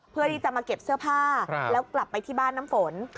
เพื่อที่จะมาเก็บเสื้อผ้าแล้วกลับไปที่บ้านน้ำฝน